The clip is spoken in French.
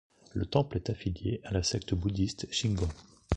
Le temple est affilié à la secte bouddhiste Shingon.